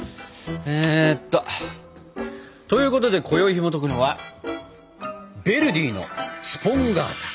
えっと。ということでこよいひもとくのは「ヴェルディのスポンガータ」。